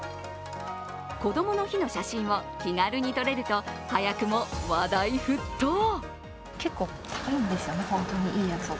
こどもの日の写真を気軽に撮れると早くも話題沸騰。